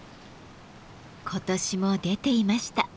今年も出ていました。